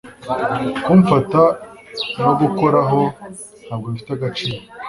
kumfata no gukoraho ntabwo bifite agaciro